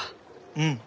うん。